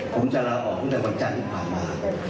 ผมจะลาออกตั้งแต่วันจันทร์ที่ผ่านมา